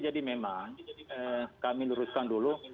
jadi memang kami luruskan dulu